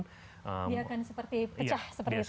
dia akan seperti pecah seperti itu